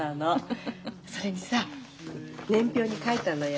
それにさ年表に書いたのよ。